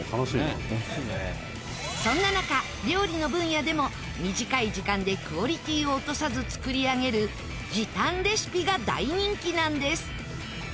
そんな中料理の分野でも短い時間でクオリティーを落とさず作り上げる時短レシピが大人気なんです